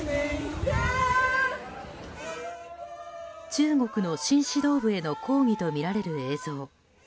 中国の新指導部への抗議とみられる映像。